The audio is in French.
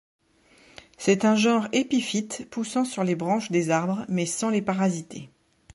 C'est un genre épiphyte poussant sur les branches des arbres, mais sans les parasiter.